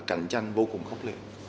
cảnh tranh vô cùng khốc liệt